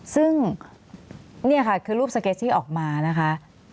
ซึ่งนี่ค่ะคือรูปสเก็ตที่ออกมานะคะ